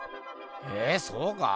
えそうか？